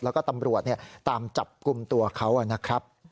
แล้วก็ตำรวจตามจับกลุ่มตัวเขานะครับ